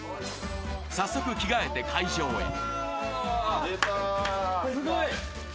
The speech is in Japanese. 早速、着替えて会場へ。